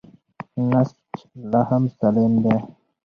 نسج لا هم سالم دی.